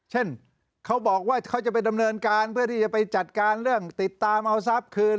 เช่นเขาบอกว่าเขาจะไปดำเนินการเพื่อที่จะไปจัดการเรื่องติดตามเอาทรัพย์คืน